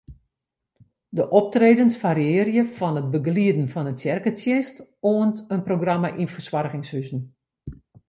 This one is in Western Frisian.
De optredens fariearje fan it begelieden fan in tsjerketsjinst oant in programma yn fersoargingshuzen.